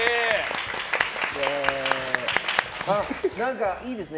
何かいいですね。